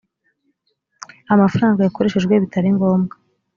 amafaranga yakoreshejwe bitari ngombwa